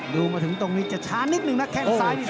ดูมาถึงตรงนี้จะช้านิดนึงนะแข้งซ้ายนี่